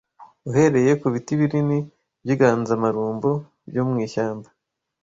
uhereye ku biti binini by’inganzamarumbo byo mu ishyamba